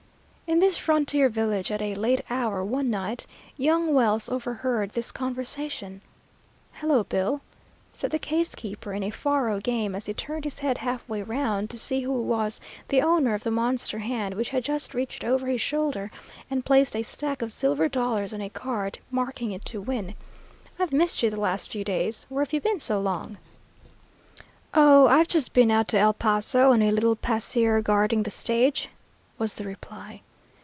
In this frontier village at a late hour one night young Wells overheard this conversation: "Hello, Bill," said the case keeper in a faro game, as he turned his head halfway round to see who was the owner of the monster hand which had just reached over his shoulder and placed a stack of silver dollars on a card, marking it to win, "I've missed you the last few days. Where have you been so long?" "Oh, I've just been out to El Paso on a little pasear guarding the stage," was the reply.